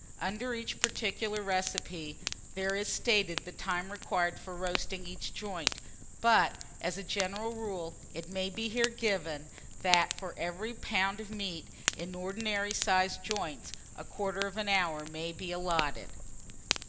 UNDER EACH PARTICULAR RECIPE there is stated the time required for roasting each joint; but, as a general rule, it may be here given, that for every pound of meat, in ordinary sized joints, a quarter of an hour may be allotted.